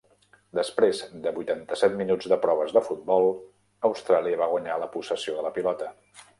Després de vuitanta-set minuts de proves de futbol, Austràlia va guanyar la possessió de la pilota.